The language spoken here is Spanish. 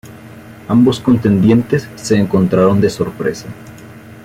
Ambos contendientes se encontraron de sorpresa.